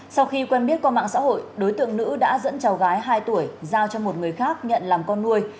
sau khi quen biết qua mạng xã hội đối tượng nữ đã dẫn cháu gái hai tuổi giao cho một người khác nhận làm con nuôi